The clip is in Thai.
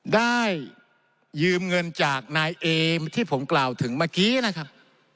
ได้ยืมเงินจากนายเอที่ผมกล่าวถึงเมื่อกี้นะครับ